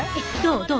どう？